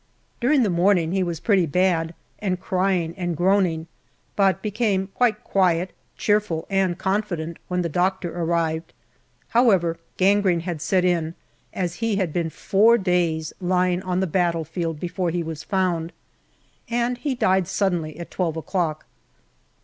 During the morning he was pretty bad, and crying and groaning, but became quite quiet, cheerful, and confident when the doctor arrived. However, gangrene had set in, as he had been four days lying on the battlefield before he was found, and he died suddenly at twelve o'clock.